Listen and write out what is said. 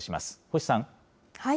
星さん。